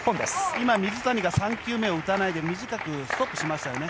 今、水谷が３球目を打たないで短くストップしましたね。